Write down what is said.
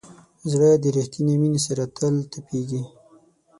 زړه د ریښتینې مینې سره تل تپېږي.